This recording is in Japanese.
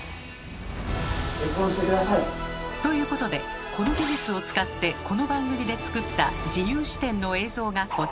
結婚して下さい。ということでこの技術を使ってこの番組で作った自由視点の映像がこちら。